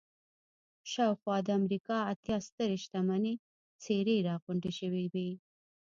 شاوخوا د امريکا اتيا سترې شتمنې څېرې را غونډې شوې وې.